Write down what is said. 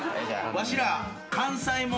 わしら。